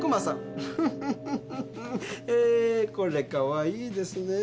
えーこれかわいいですねえ。